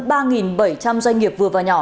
ba bảy trăm linh doanh nghiệp vừa và nhỏ